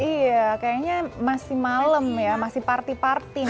iya kayaknya masih malam ya masih parti parti